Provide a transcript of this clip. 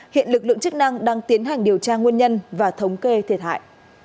hiện lực lượng chức năng đang tiến hành điều tra nguyên nhân và thống kê thiệt hại